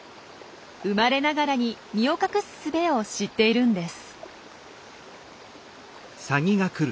生まれながらに身を隠すすべを知っているんです。